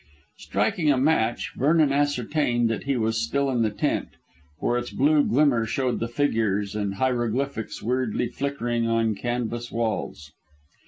Striking a match, Vernon ascertained that he was still in the tent, for its blue glimmer showed the figures and hieroglyphics weirdly flickering on the canvas walls.